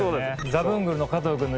ザブングルの加藤君の。